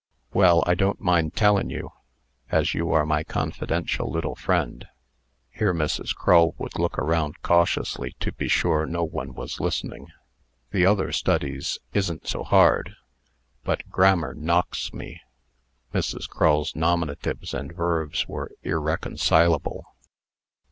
"Well, I don't mind tellin' you, as you are my confidential little friend." Here Mrs. Crull would look around cautiously, to be sure no one was listening. "The other studies isn't so hard, but grammar knocks me." (Mrs. Crull's nominatives and verbs were irreconcilable.)